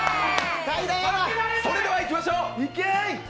それではいきましょう。